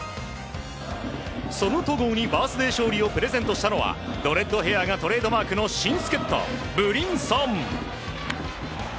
その戸郷にバースデー勝利をプレゼントしたのはドレッドヘアがトレードマークの新助っ人、ブリンソン。